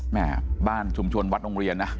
แหม่บ้านฉุมชวนวัดองเกลียนะ